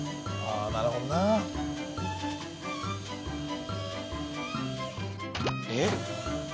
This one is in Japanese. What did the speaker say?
あなるほどなえっ？